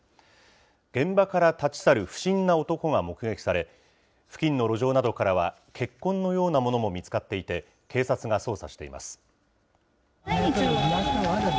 現場から立ち去る不審な男が目撃され、付近の路上などからは、血痕のようなものも見つかっていて、警察が捜査しています。